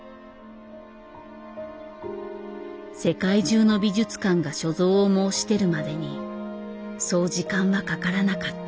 世界中の美術館が所蔵を申し出るまでにそう時間はかからなかった。